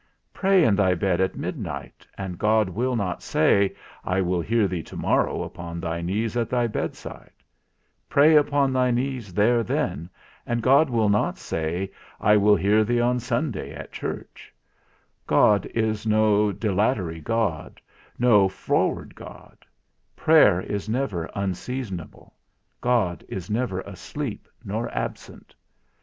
Pray in thy bed at midnight, and God will not say, I will hear thee to morrow upon thy knees, at thy bedside; pray upon thy knees there then, and God will not say, I will hear thee on Sunday at church; God is no dilatory God, no froward God; prayer is never unseasonable, God is never asleep, nor absent.